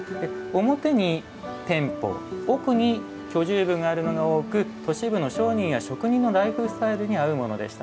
表に店舗奥に居住部があるものが多く都市部の商人や職人のライフスタイルに合うものでした。